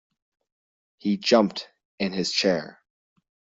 He jumped in his chair.